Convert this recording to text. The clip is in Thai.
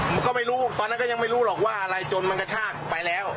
มันก็ไม่รู้ตอนนั้นก็ยังไม่รู้หรอกว่าอะไรจนมันกระชากไปแล้ว